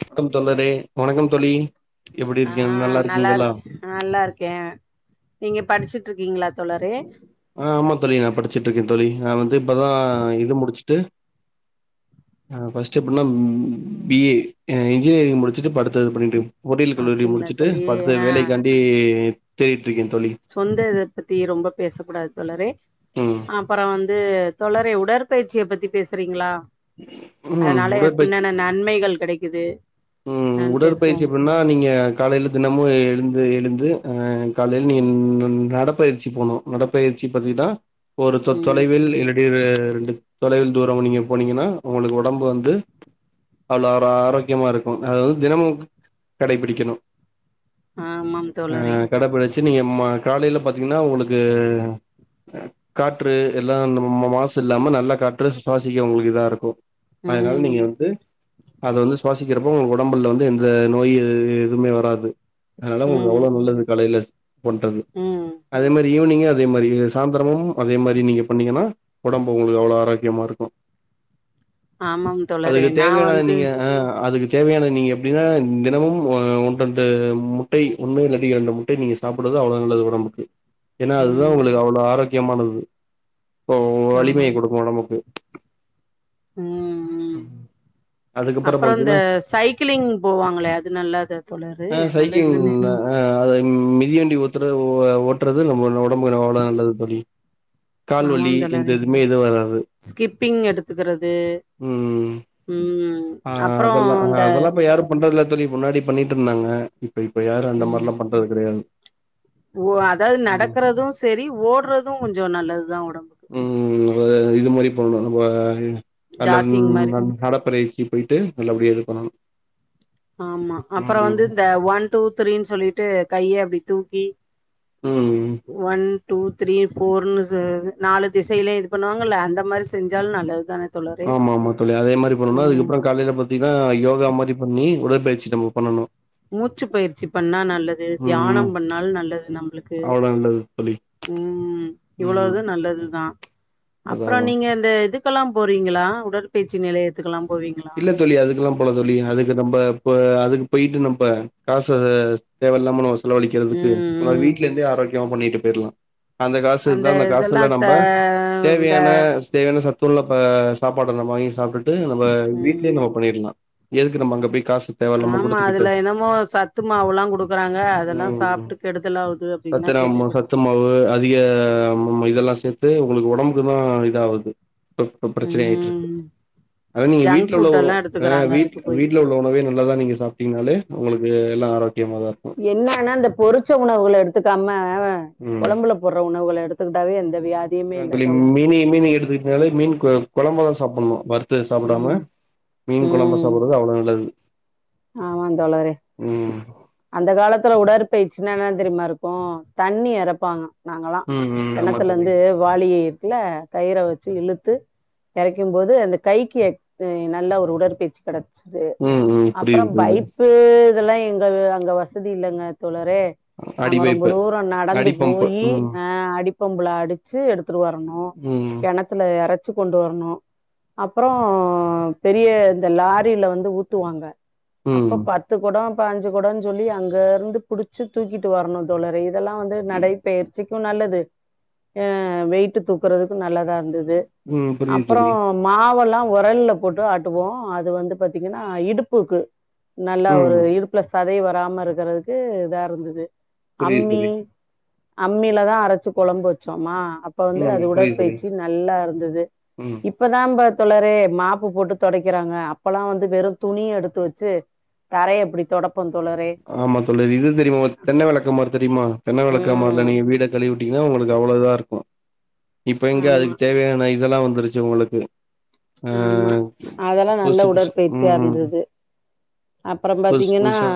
வணக்கம் தோழரே வணக்கம் தோழி எப்டி இருக்கீங்க ஆஹ் நல்லா இருக்கீங்களா இருக் நல்லா இருக்கேன் நீங்க படிச்சசிட்ருக்கீங்களாக் ஆஹ் ஆமா தோழி நா படிச்சிட்டிருக்கே தோழி அ வந்து இப்பதான் இது முடிச்சிட்டு ஆ ஃபர்ஸ்ட் இப்ப ன்ன பி ஏ அ இஞ்சிநியரி முடிச்சிட்டு இப்ப அடுத்த இது பண்ணிடு பொரில் கல்லூலி அப்டிங்களா முடிச்சுட்டு தோழி பத்து ஆ வேலை காண்டி தேய்ப் சொந்த இத பத்தி ரொம்பப் பேசக்குடாது தோழரே ம் அப்பர வந் து தோழரே உடற்பயிற்சிய பத்தி பேசுறிங்களா ம் அதனால என்கு உன்னென்ன நன்மைகள் கெடைக் இது உம் உடல்பயிற்சி எப்டின்னா நீங்க காலைல தெனமும் எழுந்து எழுந்து ஆஹ் காலையில் இந் நீங்க நடப்பயிற்சி போனும் நடப்பயிற்சி பத்தி தா ஒரு தொத் ம் தொலைவில் இடிவெ ரெண்டுத் தொலைவில் தூரம் நீங்க போனீங்கன்னா உங்களுக்கு ஒடம்பு வந்து அளவா ஆரோக்கியமா இருக் அத வந்து தினமும் கடைபிடிக்கணும் ஆமாம் தோழரே தி நீங்க ம காலேல பாத்தீங்ன்னா உங்களுக்கு காற்று எல்லா ம்-ம்-ம்-மாஸ் இல்லாம நல்ல காற்று சுவாசிக்கிறோ உங்களுக்கு இதா இருக்கு அதனால ம் நீங்க வந்து அத வந்து சுவாசிக்கிறப்போ ஒடம்பல்ல வந்து எந்த நோய் எ எதுவ்மே வராது அதனாலதா உங்களுக் ம் அவ்ளோ நல்லது காலேயில பொன்டது ம் அதே மாரி ஈவ்னிங்கு அதே மாரி சாய்ந்தரமும் அதே மாரி நீங்க பண்ணீங்கன்னா ஒடம்பு உங்ளுக்கு அவ்ளோ ஆரோகியமா இருக்கு ஆமாம் தோழரே அதுக்கு நா தேவையானத வந்து நீங்க ஆ அதுக்கு தேவையானது நீங்க எப்டின்னா தினமும் ஒ அ ஒன்னு ரெண்டு முட்டை ஒண்ணு இல்லாட்டி ரெண்டு முட்டை நீங்க சாப்புடுறது அவ்ளோ நல்லது ஒடம்புக்கு ஏன்ன அதுதான் ம் உங்ளுக்கு அவ்ளோ ஆரோக் கியமானது இப்போ வலிமைய ஆமாம் குடுக்கு தோழரே. ஒடம்புக்கு ம் அப்பறோ அதுக்கப்புறோ இந்த சைக்கிளிங் போவாங்களே அது நல்லாத தோழரே நல்லதுதானே அ அத மிதிவண்டி ஓட்டற ஓட்டுறது நம்ம ஒடம்புக்கு அவ்ளோவு நல்லது தோழி ஆமா கால்வலி இந்த தோழரே எதுமே எது வராது ஸ்கிப்பிங் எடுத்துக்குறது உம் ஆஹ் அதெல்ல அ‌அதெல்லா இப்ப யாரு பண்றதுல்ல தோழி முன்னாடி பண்ணிட்டு இருந்தாங்க இப்ப இப்ப யாரு அந்த ம் மாரிலா பண்றது கெடையாது ஓ அதாவது ம் நடக்கறது செரி ஓடுறது கொஞ்சோ நல்லதுதா ஒடம்புக்கு உம் எ இது மாதிரி பண்ணணு நம்ம ஜாக்கிங் மாரி [unintelligible] கிங் போயிட்டு நல்லபடியா இது பண்ணணு ஆமா அப்புறோ வந்து இந்த ஒன் டூ த்ரீன்னு சொல்லிட்டு கையே அப்டி தூக்கி உம் ஒன் டூ த்ரீ ஃபோர் சொ நாலு திசையிலு இது பண்ணுவாங்கல்ல அந்த மாரி செஞ்சாலு நல்லது தான ஆமா ஆமா தோழி அதே மாரி பண்ணனும்னா அதுக்கப்புறோ காலையில பாத்தீங்ன்னா யோகா மாரி பண்ணி உடற்பயிற்சி நம்ம பண்ணணு மூச்சு பயிற்சி பண்ணா நல்லது ம் தியானம் பண்ணாலும் நல்லது நம்மளுக்கு அவ்ளோ நல்லது தோழி உம் ம் இவ்ளோது நல்லதுதா அதா அப்புறோ அதா நீங்க இந்த இதுக்கு ஜிம்முக்கெல்லாம் போறீங்களா உடற்பயச்சி நிலையத்துக்கெல்லாம் போவீங்களா? இல்ல தோழி அதுக்கெல்லாம் போகல தோழி அதுக்கு நம்ம இப்ப அதுக்கு போயிட்டு நம்ப காசு தேவை இல்லாம செலவழிக்கிறதுக்கு ம், நம்ம ம். ஆரம்பிவீட்டுல இருந்தே பண்ணிட்டு போயிடலாம் அந்த காசு இருந்தா அந்த காசுல்ல இதெல்லாம் த நம்ப இந்த தேவையான தேவையான ச துள்ளப்ப சாப்பாடு வாங்கி சாப்பிட்டுட்டு இது ம். நம்ப பண்ணிறலாம் எதுக்கு நம்ம அங்க போயி காசு தேவையில்லாம ஆமா. கொடுத்துக்கிட்டு அதுல என்னமோ சத்து மாவுல்லாம் குடுக்குறாங்க. உ அதெல்லாம் சாப்ட்டு கெடுதல் ஆவுது அப்டின்லாம் சத்திர கேள்விப்பட் சத்து மாவு அதிக இதெல்லாம் சேர்த்து இது உங்களுக்கு உடம்புக்கு தான் இத ஆகுது இப்ப பிரச்சனை ஆயிட்டு இருக்கு ம். அத நீங்க ஜங்க் வீட்டு வீட்டுல ஃபுட் உள்ள எல்லாம் எடுத்துக்குறாங்க ஏ அதுக்கு போயி. வீட்டுல உள்ள உணவே நல்லாதான் நீங்க சாப்பிட்டீங்கனாலே உங்களுக்கு நல்ல ஆரோக் என்னான்னா இந்த பொரிச்ச உணவுகள எடுத்துக்காம குழம்புல போடுற உணவுகளை எடுத் சூடாவே இருந் மீன மீன் எடுத்துனால மீன் குழம்பா வச்சு சாப்பிடணும் வறுத வறுத்து சாப்பிடாம ம், மீன் குழம்பு சாப்பிடடுறது அவ்வளோ நல்லது ஆமாந்தோழரே ம் அந்த காலத்துல உடற் பயிச்சுன்னா என்னான்னு தெரியுமா இருக்கு ம் தண்ணி இறப்பாங்க நாங்கெலாம் ம் ம் ஆமா கிணத்துல தோழி இருந்து வாலி இருக்குலெ கயிற வச்சு இழுத்து எரைக்கும் போது அந்த கைக்கு நல்லா ஒரு உடற்பயிற்சி கடைக்கு ம் ம் அப்ற புரியுது புரியுது பைப்பு இதல்லா எங்க அங் வசதி இல்லங்க தோழரே அடி நாங்க ரொம்ப பைப்பு தூர நடந்து அடி பம்பு போயி ம் அ அடி பொம்புள அடிச்சு எடுத் துருவரணு ம் கெணத்துல எறக் வச்சு கொண்டு வரணு அப்புறோ பெரிய இந்த லாரில வந்து ஊத்துவாங்க அப்ப ம் பத்து குடோ ப அஞ்சு கொடன் சொல்லி அங்கர்ந்து புடுச்சு தூக்கிட்டு வர்ணு தோழரே இதெல்லா வந்து நடைபயிற்சிக் கு நல்லது ஆ வெய்ட்டு தூக்குறதுக்கு நல்லதா ந்துது ம் புரியுது அப்பறொ தோழி மாவல்லா ஒரல்ல போட்டு ஆட்டுவோ அது வந்து பாத்தீங்கன்னா இடுப் பூக்கு நல்லா ம் ஒரு இடுப்புல சதை வ ராம இருக்கறதுக்கு இதா இருந்துது புரியுது அம்மி தோழி அம்மிலதா அரச்சு கொழம்பு வச்சோமா அப்ப வந்து ம் அது புரியுது தோழி உடற்பயிற்சி நல்லா இருந்துது ம் இப்பதாம் பாத் தோழரே மாப்பு போட்டு தொடக்கிறாங்க அப்பல்லா வந்து வெறு துணி எடுத் து வச்சி தரைய இப்டி தொடப் ஆமா தோழி இது தெரீமா உங்களுக் தென்ன வெளக்கமாரு தெரீமா தென்ன வெளக்கமார்ல ம். நீங்க வீட களிவ்விட்டீங்னா உங்களுக்கு அவ்வளோ இதா இருக்கு இப்ப எங்க ஆமா. அதுக்கு தேவையான இதெல்லா வந் துருச்சி உங்களுக்கு ஆ ஆமா அதெல்லா புதுசு நல்ல புதுசு ம் உடற்பயிற்சியா ம் இருந்தது அப்பறம் புதுசு பாத்தீங்கன்னா புதுசா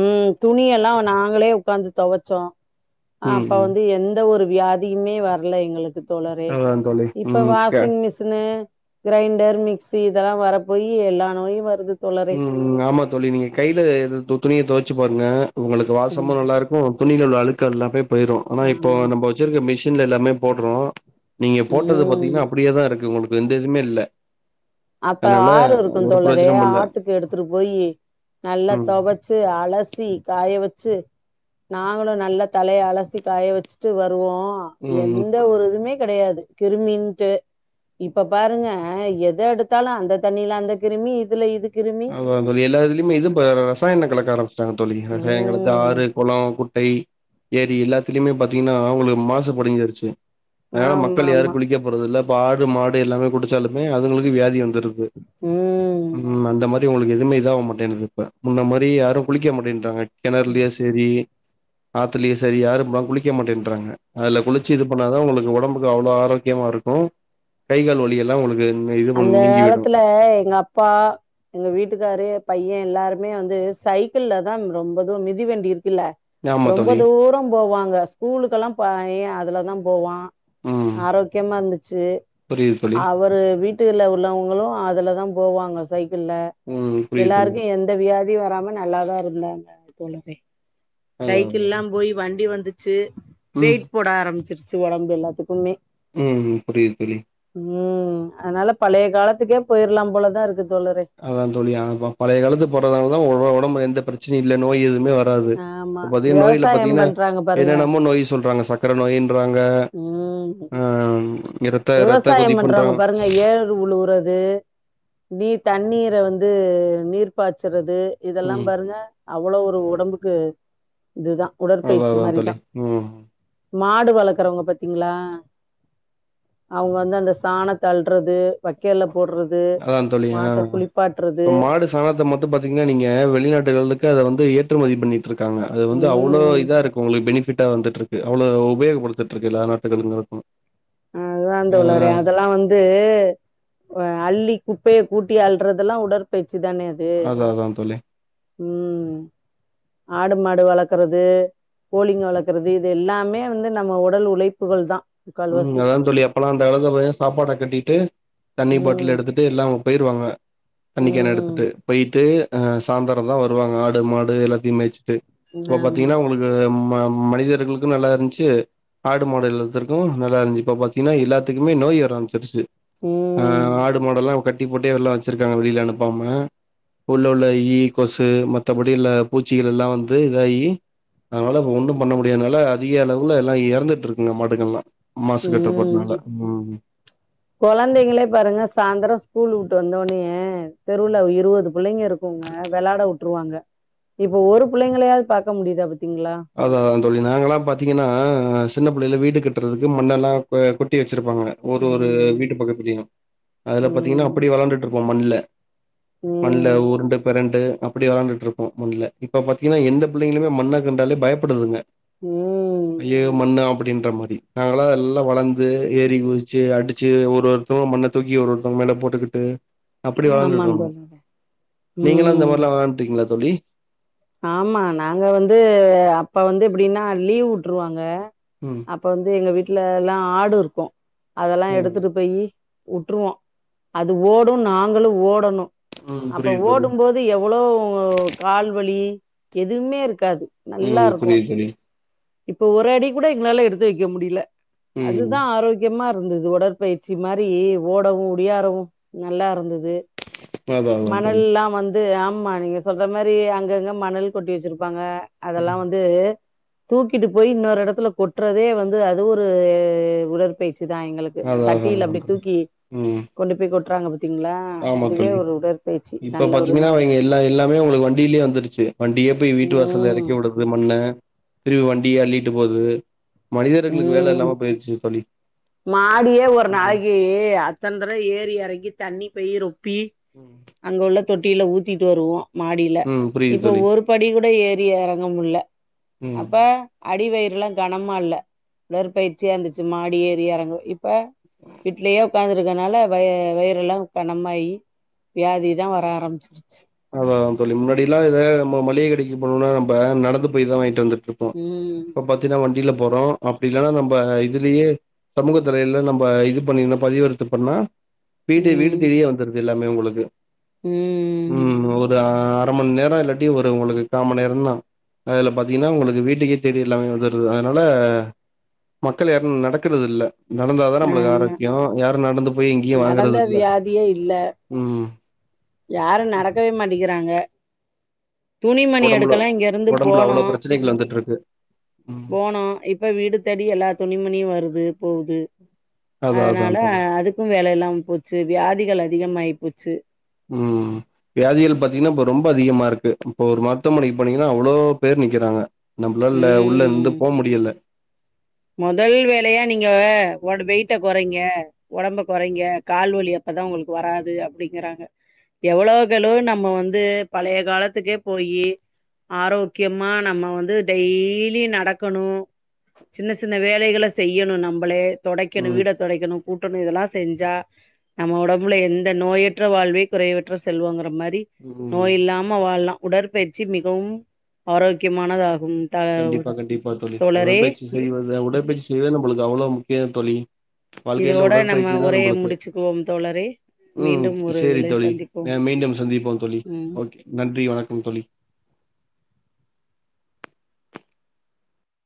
ம் துணியெல்லா நாங்ளே உக்காந்து தொவச்சோ ஆ ம் அப்ப ம் வந்து எந்த ஒரு வியாதியுமே வர்ல எங்களுக்கு தோழரே அதா தோழி இப்ப ம் க வாஷிங் மிஸினு கெரைண்டர், மிக்சி இதெல்லா வரப்போயி எல்லா நோயு வருது தோழரே ம் ஆமா தோழி நீங்க கைல எது துணிய தொவச்சு பாருங்க உங்களுக்கு வாசமு ம் நல்லாருக்கு துணில உள்ள அழு [unintelligible] போயிருவோ ஆனா இப்போ ஆமா நம்ப வெச்சிருக்க மிஷி ன்ல எல்லாமே போடுறோ நீங்க போட்டது ம் பாத்தீங்கன்னா அப்டியேதா இருக்கு உங்களுக்கு எந்த இதுமே இல்ல அப்ப அதனால ஆறு இருக்கு ஒரு தோழரே பிரயோஜனமு இல்ல ஆத்து க்கு எடுத்துடு போய் நல்லா ம் தொவச்சு அலா சி காய வச்சு நாங்களும் நல்ல தலைய அலசி காய வச்சுட்டு வந் ருவோம் ம் எந்த ஒரு இதுமே கிடையாது கிருமின்ட்டு இப்ப பாருங்க எத எடுத் தாலு அந்த தண்ணியில அந்த கிருமி இதுல இது கிருமி அதான் தோழி எல்லா இதுலயமே இது பா இரசாயன கலக்க ஆரம்பிச் டாங்க தோழி [unintelligible] ம் ஆறு கொளம் குட்டை ஏரி எல்லாத்துலயுமே பாத்தீங்கன்னா அவ்ளோ மாசு படிஞ்சிருச்சு அதனால ஆமா மக்கள் யாரும் ஆமா குளிக்க போறதுல்ல ஆடு மாடு எல்லாமே குடிச்சாலுமே அதுங்களுக்கு வியாதி வந்துரு உம் [unintelligible] எதுவுமே இதாக மாட்டேங்குது இப்ப முன்ன மாரி யாரும் குளிக்க மாட்டேன்றாங்க கெணர்லியா சரி ஆத்துலயே சரி யாரும் இப்பலா குளிக்க மாட்டேன்றாங்க அதுல குளிச்சு இது பண்ணாதான் உங்களுக்கு உடம்புக்கு அவ்ளோ ஆரோக்கியமா இருக்கும் கை கால் வலியெலாம் உங்களுக்கு இது பண் அந்த நீங்கி விடு காலத்துல எங்க அப்பா எங்க வீட் ட்டுக்காரு பையன் எல்லாருமே வந்து சைக்கிள் தான் ரொம்பதூரம் மிதிவண்டியிருக்கு ல ஆமா ரொம்ப தோழி தூரம் போவாங்க ஸ்கூலுக்கெல்லாம் பையன் அதுல தான் போவான் ம் ஆரோக்கியமா இருந்துச்சு புரியுது தோழி அவரு வீட் ட்டு உள்ளவங்களும் அதுல தான் போவாங்க சைக்கிள் ல்ல ம் புரியுது தோழி எல்லாருமே எந்த வியாதி வராம நல்லாதான் இருந்தோம் தோழரே அதா அதா சைக்கில்லாம் போய் வண்டி வந்துச் ச்சி ம் வெயிட் போட ஆரம்பச்சிரு ச்சு உடம்பு எல்லத்துக்குமே உம் புரியிது புரியிது உம் அதனால பழைய காலத்துக்கே போயிடலாம் போலதான் இருக்குது அதான் தோழி ஆமா பழைய காலத்து போறதுனாலதான் உடம்பு எந்த பிரச்சனை இல்ல நோய்எதுவுமே வர ராது ஆமா பாத்தீன்ன நோய்ல விவசாயம் பாத்தீங்கன்னா பண்றாங்க பாருங்க என்னென்னமோ நோய் சொல்றாங்க சக்கர நோயின் றாங்க ம் அஹ் விவசாயம் பண்றவங்க பாருங்க ஏரு உழுவுறது பி தண்ணீர வந்து நீர் பாய்ச்சறது து இதெல்லாம் ம் பாருங்க அவ்ளோ ஒரு ஒடம்புக்கு இதுதா அதா உடற்பயிற்சி அதா மாரிதா தோழி ம் மாடு வளக்கறவங்க பாத்தீங்ளா அவுங்க வந்து அந்த சாணத்த அல்றது வெக்கல்ல அதான் தோழி அ இப்ப மாடு சாணத்த மொத்த பாத்தீங்கன்னா நீங்க வெளிநாட்டுகளுக்கு அத வந்து ஏற்றுமதி பண்ணி ட்டுருக்காங்க அது வந்து அவ்ளோ ம் இதா இருக்கு உங்களுக்கு பெனி ஃபிட்டா வந்துட்டுருக்கு அவ்ளோ உபயோகப்படுத்துட்டுருக்கு எல்லா நாட்டுகளுமே ஆகட்டு அ அதான் தோழரே அதெல்லா வந்து அள்ளி குப்பையை கூட்டி அள்றதெல்லா உடற்ப யிற்ச்சிதானே அது அதா அதா தோழி ம் ஆடு மாடு வளக்கறது கோழிங்க வளக்கறது இது எல்லாமே வந்து நம்ம உடல் உழைப்புகள்தா முக்கால்வாசி அதான் தோழி அப்பெல்லா அந்த காலத்துல பாத்தீனா சாப்பாட கட்டிட்டு தண்ணி பாட்டில ம் எடுத்துட்டு எல்லா போ போய்ருவாங்க தண்ணிக்கேன ம் எடுத்துட்டு பொய்ட்டு ஆ சாந்தரொந்தா வருவாங்க ஆடு மாடு எல்லாத்தையு மேச் ட்டு இப்ப ஆமா பாத்தீங்னா உங்களுக்கு ம மனிதர்களுக்கு நல்லா இருந்த்ச்சு ஆடு மாடு [unintelligible] கு நல்லா இருஞ்சி இப்ப பாத்தீனா எல்லாத்துக்குமே நோய் வர ஆரம்ச்சிருச்சி ஆ ம் ஆடு மாடல்லா ஒ கட் டிப் போட்டே எல்லா வெச்சிருக்காங்க வெளில அனுப்பாம உள்ள உள்ள ஈ கொசு மத்தபடி இள்ள பூச்சிகள் எல்லா வந்து இதாயி அனால இப்ப ஒன்னும் பண்ண முடியானால அதிக அளவுல எல்லா எறந்துட்ருக்குங்க மாடுகள்லா மாசு ம் கட்டுப்பாட்டுனால ம் கொழந்தைங்களே பாருங்க சாந்தரொ ஸ்கூல் உட்டு வ ந்த ஒன்னேயே தெருவுல இருவது புள்ளைங்க இருக்குங்க வெளாட உட் ட்டுருவாங்க இப்ப ஒரு புள்ளைங்களையாது பாக்க முடியுதா பத் அதா அதா தோழி நாங்கல்லா பாத்தீங்கன்னா சின்னப் புள்ளைல வீடு கட்றதுக்கு மண்ணெல்லா கொ கொட்டி வெ ச்சிருப்பாங்க ஒரு ஒரு ம் வீடு பக்கத்துலயு அதுல பாத்தீங்னா ம் அப்டி வெளாண்டுட்ருப் போ மண்ல மண்ல ம் உருண்டு பெரண்டு அப்டி வெளாண்டுட்டு இருப்போ மண்ல இப்ப பாத்தீயன்னா எந்த பிள்ளைங்களுமே மண்ண என்டாலே பயப்படுதுங்க ம் ஐயயோ மண்ணா அப்படின்ற மாரி நாங்களா எல்லா வளந்து ஏறி குதிச்சு அடிச்சு ஒரு ஒருத்தங்க மண்ண தூக்கி ஒரு ஒருத்தவங்க மேல போட்டுக்கிட்டு அப்படி ஆமாந் வளந்துட்டுருந்தோ தோழரே நீங்களா இந்த ம் மாரிலா வெளாண்ட்ருக்கீங்களா தோழி ஆமா நாங்க வந்து அப்ப வந்து எப்படின்னா லீவ் விட்டுருவாங்க ம் அப்ப வந்து எங்க வீட்டு்ல எல்லா ஆடு இருக்கு அதெல்லா ம் எடுத்துட்டு போயி வுட்டுருவோ அது ஓடும் நாங்களு ஓடணு ம் அப்ப புரியுது தோழி ஓடும்போது எவ்வளவு கால்வலி எதுவுமே இருக்காது நல்லா உம் இருக்கு புரிது தோழி இப்ப ஒரு அடி கூட லால எடுத்து வைக்க முடியல ம் அதுதா ஆரோக்கியமா ருந்தது உடற்பயிற்சி மாரி ஓடவு ஒடியாரவு நல்லாருந்தது அதா அதா தோழி மணல்லா வந் து ஆமா நீங்க சொல்ற மாரி அங்கங்க மணல் கொட்டி வச்சிருப்பாங்க அதெல்லா வந்து தூக்கிட்டு போய் இன்னொரெடத்துல கொட்றதே வந்து அது ஒரு உடற்பை இதா எங்களுக்கு அதா அதா சட்டியில அதா அப்டி தூக்கி கொண்டு போய் கொட் ட்ராங்க பத் ஆமாந்தோழி இப்ப நல்ல ஒரு பாத்தீங்கன்னா இங்க எல்லா எல்லாமே உங்களுக்கு வண்டியிலே வந்துருச்சு வண்டியே போய் வீட்டு வாசல்ல ம் எறக்கி உட்றது மண்ண பிரிவு வண்டி அள்ளிட்டு போகுது மனிதர்களுகு வேல ம் இல்லாம போயிருச்சு தோழி மாடியே ஒரு ம் நாளைகு அத்தன்தடவ ஏறி எறங்கி தண்ணி பேய்ரும் பி அங்கவுள்ள தொட்டியில ஊத்திட்டு வருவோ மாடியில ம் புரியுது இப்ப தோழி ஒரு படி கூட ஏறி எறங்கமுல ம் அப்ப அடிவயிர் ல்லாம் கனமால்ல உடற்பயிற்சியாந்துச்சு மாடி ஏ ரியறங்கு இப் ப்ப விட்லயே உக்காந்துருக்கனால வய வயிரெல்லா கனமாயி வியாதி தா வர ஆரம்பிச்சிருச்சு அதா சொல்லி முன்னாடில்லா இத நம்ம மளிக கடைக்கு போணும்னா இப்ப நம்ம நடந்து போய் தா வாங்கிட்டு வந்துட் ருப்ப ம் இப்ப பாத்தீன்னா வண் இல போறோ அப்டி இல்லன்னா நம்ப இதுலேயே சமூக தலையல்ல நம்ம இது பண்ணீன்னா பதிவறுத்து பண்ணா வீடு வீடு ம் தேடியே வந்துருது எல்லாமே உங்களுக்கு ம் ம் ஒது ஆ அர மண் நேர இல்லாட்டி ஒரு உங்களுகு காமண் நேர தா அதுல பாத்தீங்கன்னா உங்களுக்கு வீட்டுக்கே தேடி எல்லாமே வந்துருது அதனால மக்கள் யாரு நடக்கறதில்ல நடந்தாதா நம்பளுகு ஆமா ஆரோக்கியோ யாரு நடந்து போய் எங்கயு நடந்த வாங்கறது இல்ல வியாதியே இல்ல ம் யாரு நடக்கவே மாட்டிங்கிறாங்க துணிமணி ஒடம்புல எடுக்கலா இங்கருந்து ஒடம்புல போனோ அவ்ளோ பிரச்சனைகள் வந்துட்ருக்கு ம் போனோ இப்ப வீடு தேடி எல்லா துணிமணியு வருது அதே போகுது அதா அதா அதனால தோழி அதுக்கூ வேல இல்லாம போச்சு வியாதிகள் அதி அதிகமாய்போச்சு. உம் வியாதிகள் பார்த்தீங்கனா இப்ப ரொம்ப அதிகமா இருக்கு. இப்ப ஒரு மருத்துவமனைக்கு போனீங்கனா அவ்ளோ பேர் நிக்கறாங்க. நம்ளால்ல உள்ள இந்து ம் போ முடியல முதல் வேலையா நீங்க ஒட வெயிட்ட குறைங்க, ஒடம்ப குறைங்க கால்வலி அப்பதா உங்களுக் வராது அப்டிங்கறாங்க. எவ்ளோகெளவு நம்ம வந்து பழய காலத்துக்கே போயி ஆரோக்கியமா நம்ம வந்து டெய்லீ நடக்கணூ. சின்ன சின்ன வேலைகள செய்யணு நம்பளே தொடைக்கணு ம் வீட தொடைக்கணு. கூட்டணு இதெல்லா செஞ்சா நம்ம ஒடம்புல எந்த நோயற்ற வாழ்வே குறைவற்ற செல்வோங்கற மாரி ம் நோய் இல்லாம வாழ்லா. உடற்பயிற்சி மிகவும் ஆரோக்கியமானதாக் கும் த கண்டிப்பா கண்டிப்பா தோழி தோழரே உடற்பயிற்சி செய்வது உடற்பய்ச்சி செய்வது நம்பளுக்கு அவ்ளோ முக்கியோ தோழி. வாழ்க்கைல இதோட நம்ம உடற்பயிச்சிதா உரைய நம்பளுக்கு. முடிச்சுக்குவோம் தோழரே உம் மீண்டும் ஒரு சேரி இதில் தோழி சந்திப்போம் ந மீண்டும் சந்திப்போம் தோழி ம் ஓகே நன்றி வணக்கம் தோழி.